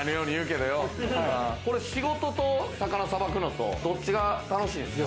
仕事と魚をさばくのと、どっちが楽しいですか？